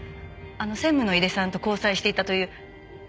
専務の井出さんと交際していたという。